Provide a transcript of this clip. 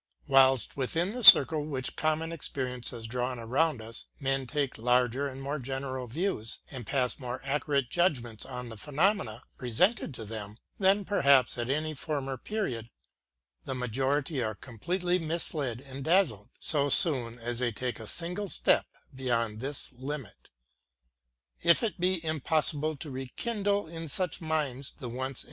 Whilst, within the circle which common experience has drawn around us, men take larger and more general views, and pass more accurate judgments on the phenomena ated to them, than perhaps at any former period; the majority are completely misled and dazzled, so soon as they take a single step beyond this limit. If it be impossible to re kindle in such minds the once PREFACE.